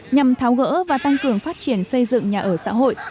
nhằm tháo gỡ và tăng cường phát triển xây dựng nhà ở xã hội